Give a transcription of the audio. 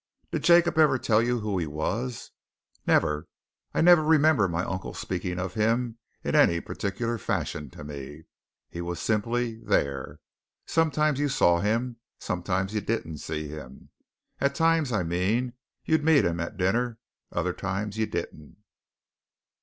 "Did Jacob ever tell you who he was?" "Never! I never remember my uncle speaking of him in any particular fashion to me. He was simply there. Sometimes, you saw him; sometimes, you didn't see him. At times, I mean, you'd meet him at dinner other times, you didn't."